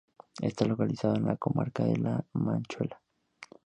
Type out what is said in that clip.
Está localizado en la comarca de la Manchuela.